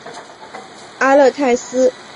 阿勒泰花蟹蛛为蟹蛛科花蟹蛛属的动物。